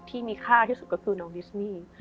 ที่มีค่าที่สุดก็คือน้องดิสนี่